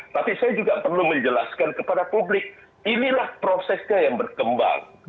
tapi saya juga perlu menjelaskan kepada publik inilah prosesnya yang berkembang